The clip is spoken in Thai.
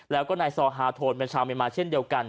แล้วก็นายซอฮาโทนเป็นชาวเมียมาเช่นเดียวกัน